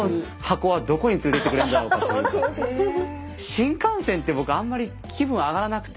新幹線って僕あんまり気分上がらなくて。